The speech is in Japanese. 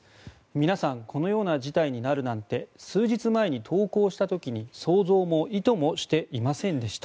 皆さんこのような事態になるなんて数日前に投稿した時に、想像も意図もしていませんでした。